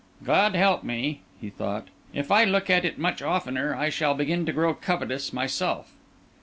"God help me!" he thought; "if I look at it much oftener, I shall begin to grow covetous myself."